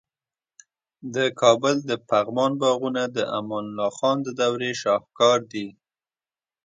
د کابل د پغمان باغونه د امان الله خان د دورې شاهکار دي